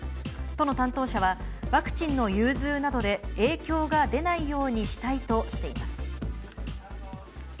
都の担当者は、ワクチンの融通などで、影響が出ないようにしたいとしています。